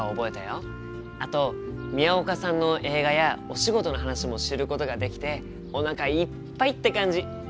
あと宮岡さんの映画やお仕事の話も知ることができておなかいっぱいって感じ！